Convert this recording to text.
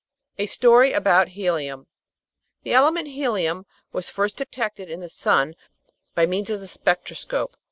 A Story about Helium The element helium was first detected in the sun by means of the spectroscope.